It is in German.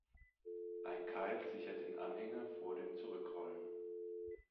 Ein Keil sichert den Anhänger vor dem Zurückrollen.